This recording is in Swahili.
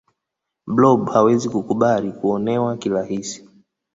blob hawezi kukubali kuonewa kirahisi